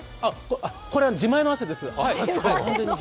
これは自前の汗です。